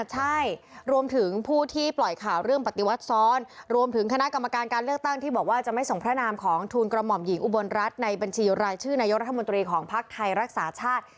ใช่รวมถึงผู้ที่ปล่อยข่าวเรื่องปฏิวัติซ้อนรวมถึงคณะกรรมการการเลือกตั้งที่บอกว่าจะไม่ส่งพระนามของทูลกระหม่อมหญิงอุบลรัฐในบัญชีรายชื่อนายกรัฐมนตรีของภักดิ์ไทยรักษาชาติ